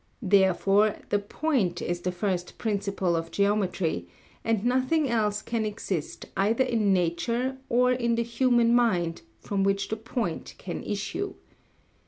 Therefore the point is the first principle of geometry, and nothing else can exist either in nature or in the human mind from which the point can issue.